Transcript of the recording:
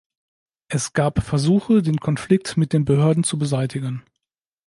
Es gab Versuche, den Konflikt mit den Behörden zu beseitigen.